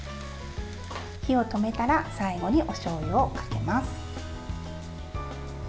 火を止めたら最後におしょうゆをかけます。